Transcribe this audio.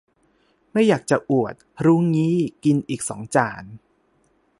ไม่อยากจะอวด รู้งี้กินอีกสองจาน